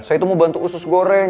saya itu mau bantu usus goreng